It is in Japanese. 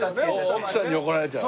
奥さんに怒られちゃう。